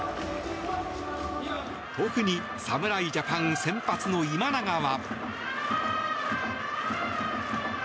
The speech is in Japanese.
特に侍ジャパン先発の今永は。